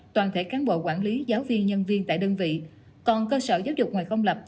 toàn thể cán bộ quản lý giáo viên nhân viên tại đơn vị còn cơ sở giáo dục ngoài công lập